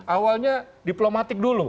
awalnya diplomatik dulu